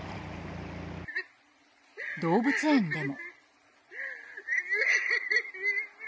動物園でも。